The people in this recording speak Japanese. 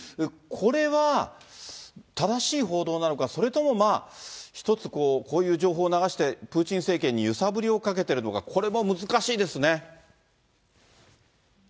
これは正しい報道なのか、それとも一つ、こう、こういう情報流して、プーチン政権に揺さぶりをかけているのか、これも難しいですね。